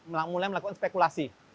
mulai melakukan spekulasi